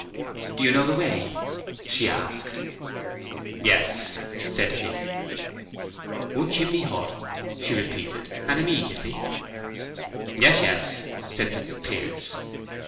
"Do you know the way?" she asked. "Yes," said he. "One chimney Hut," she repeated. "And—immediately!" "Yes, yes," said Fitzpiers.